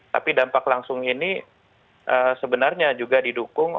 tapi dampak langsung ini sebenarnya juga didukung